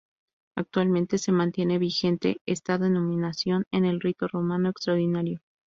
Actualmente se mantiene vigente esta denominación en el rito romano extraordinario.